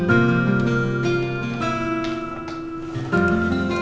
ya kita beres beres dulu